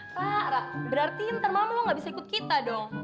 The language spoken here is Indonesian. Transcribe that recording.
pak rat berarti ntar malam lo nggak bisa ikut kita dong